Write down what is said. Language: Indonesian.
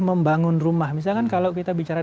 membangun rumah misalkan kalau kita bicara